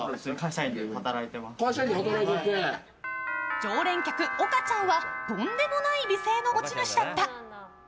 常連客、岡ちゃんはとんでもない美声の持ち主だった。